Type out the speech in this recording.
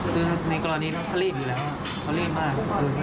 คือในกรณีนั้นเขารีบอยู่แล้วเขารีบมาก